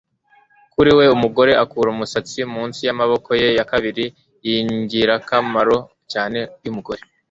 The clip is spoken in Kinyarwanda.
kuri we umugore akura umusatsi munsi yamaboko ye ya kabiri yingirakamaro cyane yumugore